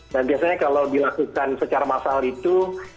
dan biasanya kalau dilakukan secara massal itu